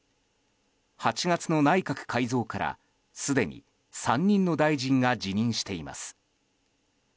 ８月の内閣改造から、すでに３人の大臣が辞任しています。